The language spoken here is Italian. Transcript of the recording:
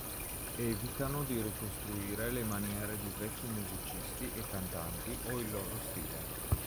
Evitano di ricostruire le maniere di vecchi musicisti e cantanti o il loro stile.